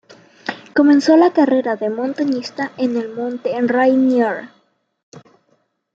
Comenzó la carrera de montañista en el monte Rainier.